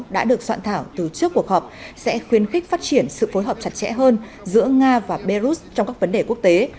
đã được soạn thảo từ trước cuộc họp sẽ khuyến khích phát triển sự phối hợp chặt chẽ hơn giữa nga và belarus trong các vấn đề quốc tế